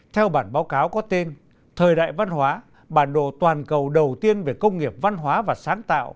theo bản báo cáo có tên thời đại văn hóa bản đồ toàn cầu đầu tiên về công nghiệp văn hóa và sáng tạo